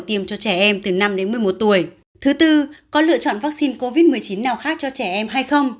tiêm cho trẻ em từ năm đến một mươi một tuổi thứ tư có lựa chọn vaccine covid một mươi chín nào khác cho trẻ em hay không